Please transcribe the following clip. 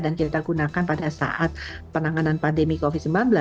dan kita gunakan pada saat penanganan pandemi covid sembilan belas